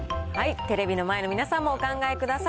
テレビの前の皆さんもお考えください。